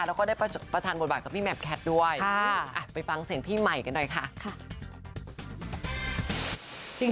แล้วก็ได้ประชันบทบาทกับพี่แหม่มแคทด้วยไปฟังเสียงพี่ใหม่กันหน่อยค่ะ